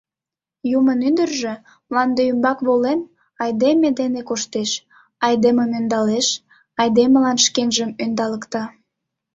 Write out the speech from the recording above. Юмын ӱдыржӧ, мланде ӱмбак волен, айдеме дене коштеш, айдемым ӧндалеш, айдемылан шкенжым ӧндалыкта.